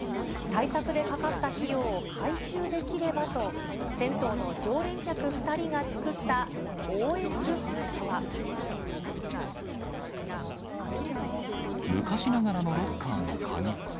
対策でかかった費用を回収できればと、銭湯の常連客２人が作った応援グッズとは。昔ながらのロッカーの鍵。